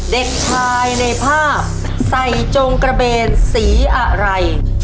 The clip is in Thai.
เด็กชายในภาพใส่จงกระเบนสีอะไร